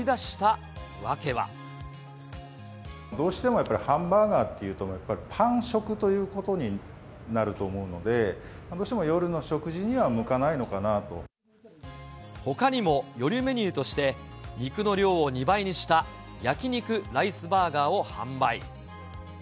どうしてもやっぱり、ハンバーガーっていうと、やっぱり、パン食ということになると思うので、どうしても夜の食事には向かほかにも夜メニューとして、肉の量を２倍にした、焼肉ライスバーガーを販売。